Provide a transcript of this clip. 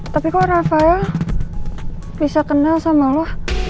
tapi kok rafael bisa kenal sama lo